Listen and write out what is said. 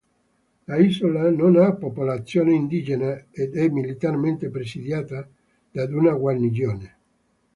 L'isola non ha popolazione indigena ed è militarmente presidiata da una guarnigione.